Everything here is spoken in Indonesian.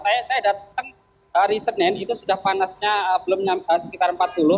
saya datang hari senin itu sudah panasnya belum sekitar empat puluh